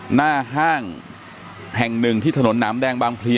หน้าห้างแห่งหนึ่งที่ถนนหนามแดงบางพลี